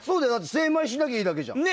精米しなきゃいいだけじゃん。